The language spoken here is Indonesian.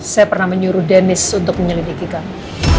saya pernah menyuruh dennis untuk menyelidiki kamu